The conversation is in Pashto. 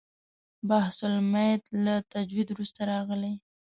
بحث المیت له تجوید وروسته راغلی.